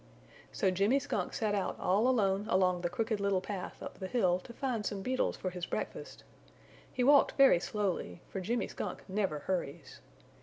So Jimmy Skunk set out all alone along the Crooked Little Path up the hill to find some beetles for his breakfast. He walked very slowly, for Jimmy Skunk never hurries.